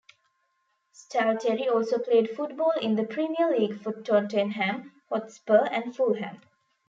Stalteri also played football in the Premier League for Tottenham Hotspur and Fulham.